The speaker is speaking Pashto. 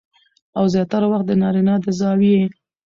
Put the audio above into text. او زياتره وخت د نارينه د زاويې